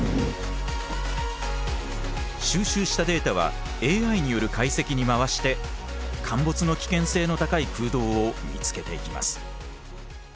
収集したデータはＡＩによる解析に回して陥没の危険性の高い空洞を見つけていきます。